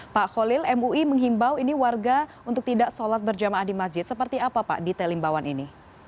pak khalil mui menghimbau ini warga untuk tidak sholat berjamaah di masjid seperti apa pak di telimbawan ini